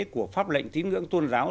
của pháp lệnh tín ngưỡng tôn giáo